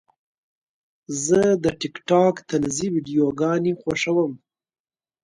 زه د ټک ټاک طنزي ویډیوګانې خوښوم.